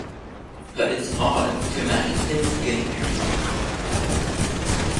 But it's odd to imagine his getting married.